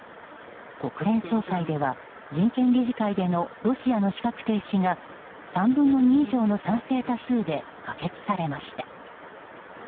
国連総会では、人権理事会でのロシアの資格停止が３分の２以上の賛成多数で可決されました。